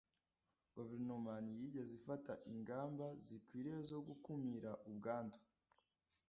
Guverinoma ntiyigeze ifata ingamba zikwiye zo gukumira ubwandu.